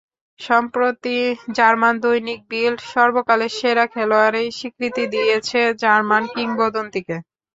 সম্প্রতি জার্মান দৈনিক বিল্ড সর্বকালের সেরা খেলোয়াড়েরই স্বীকৃতি দিয়েছে জার্মান কিংবদন্তিকে।